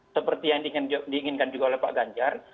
seperti yang diinginkan juga oleh pak ganjar